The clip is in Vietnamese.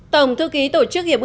tổng thư ký tổ chức hiệp ước